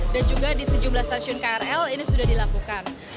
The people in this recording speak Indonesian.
dan juga di sejumlah stasiun krl ini sudah dilakukan